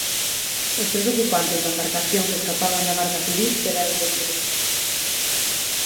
Os tres ocupantes da embarcación que escapaban da Garda Civil quedaron detidos.